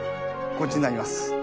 こっちになります。